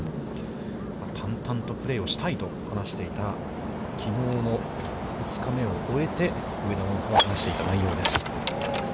淡々とプレーをしたいと話していた、きのうの２日目を終えて、上田桃子が、話していた内容です。